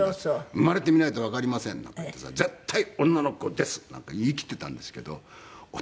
「生まれてみないとわかりません」なんか言ってさ「絶対女の子です」なんか言い切っていたんですけど男の子でした。